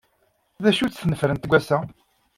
D acu-tt tnefrent n wass-a?